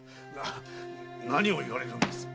何を言われるのです。